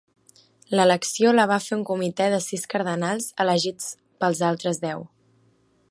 L'elecció la va fer un comitè de sis cardenals elegits pels altres deu.